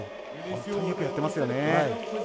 本当によくやっていますよね。